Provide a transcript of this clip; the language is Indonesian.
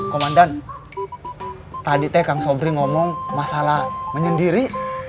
komandan tadi teh kang sobri ngomong masalah menyendiri